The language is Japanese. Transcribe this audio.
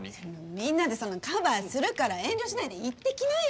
みんなでそんなカバーするから遠慮しないで行ってきなよ！